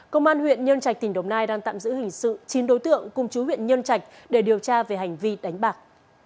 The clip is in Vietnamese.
công an huyện nhân trạch tỉnh đồng nai đang tạm giữ hình sự chín đối tượng cùng chú huyện nhân trạch để điều tra về hành vi đánh bạc